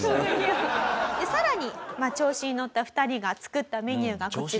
さらに調子に乗った２人が作ったメニューがこちらです。